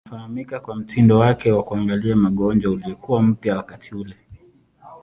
Anafahamika kwa mtindo wake wa kuangalia magonjwa uliokuwa mpya wakati ule.